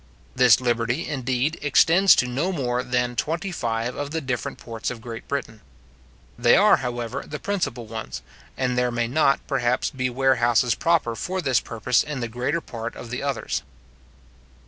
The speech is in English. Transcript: This liberty, indeed, extends to no more than twenty five of the different ports of Great Britain. They are, however, the principal ones; and there may not, perhaps, be warehouses proper for this purpose in the greater part of the others.